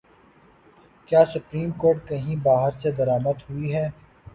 کیا supreme court کہیں باہر سے درآمد ہوئی ہے؟